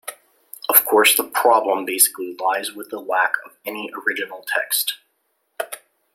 Of course the problem basically lies with the lack of any original text.